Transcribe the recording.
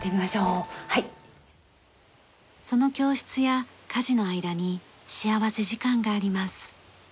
その教室や家事の間に幸福時間があります。